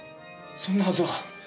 そんなはずは。